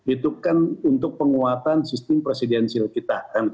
itu kan untuk penguatan sistem presidensil kita